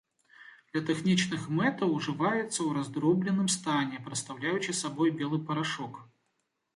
Для тэхнічных мэтаў ўжываецца ў раздробленым стане, прадстаўляючы сабой белы парашок.